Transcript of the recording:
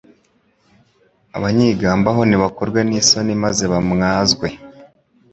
Abanyigambagaho nibakorwe n’isoni maze bamwazwe